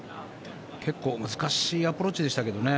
結構難しいアプローチでしたけどね。